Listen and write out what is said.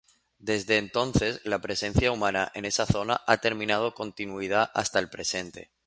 Desde entonces, la presencia humana en esa zona ha tenido continuidad hasta el presente.